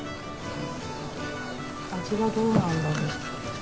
味はどうなんだろう？